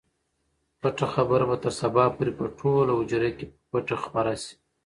پټه خبره به تر سبا پورې په ټوله حجره کې په پټه خپره شي.